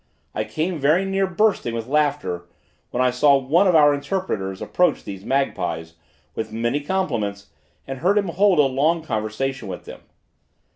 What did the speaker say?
I came very near bursting with laughter, when I saw one of our interpreters approach these magpies, with many compliments, and heard him hold a long conversation with them.